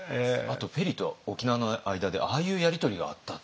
ペリーと沖縄の間でああいうやり取りがあったっていう。